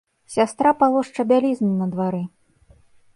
Сястра палошча бялізну на двары.